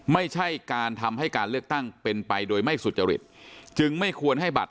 ไม่ใช่การทำให้การเลือกตั้งเป็นไปโดยไม่สุจริตจึงไม่ควรให้บัตร